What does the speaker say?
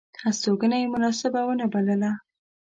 هستوګنه یې مناسبه ونه بلله.